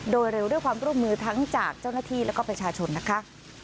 โดยเร็วด้วยความร่วมมือทั้งจากเจ้าหน้าที่แล้วก็ประชาชนนะคะ